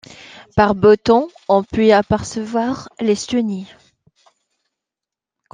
Par beau temps, on peut y apercevoir l’Estonie.